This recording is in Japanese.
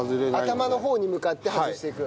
頭の方に向かって外していく。